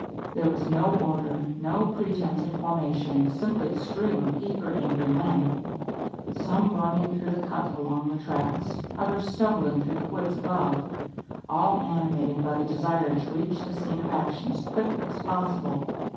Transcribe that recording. There was no order, no pretence at formation; simply a stream of eager, angry men, some running through the cut along the tracks, others stumbling through the woods above, all animated by the desire to reach the scene of action as quickly as possible.